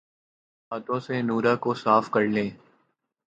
ہاتھوں سے نورہ کو صاف کرلیں